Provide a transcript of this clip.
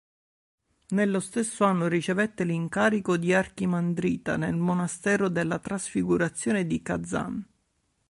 Nello stesso anno ricevette l'incarico di archimandrita del monastero della Trasfigurazione di Kazan'.